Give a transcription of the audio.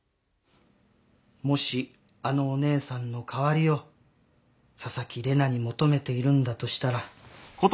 もしあのお姉さんの代わりを紗崎玲奈に求めているんだとしたら。